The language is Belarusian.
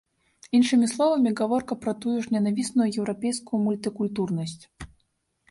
Іншымі словамі, гаворка пра тую ж ненавісную еўрапейскую мультыкультурнасць.